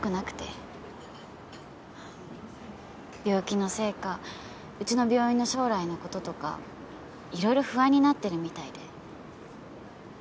病気のせいかうちの病院の将来のこととか色々不安になってるみたいで。